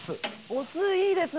お酢いいですね。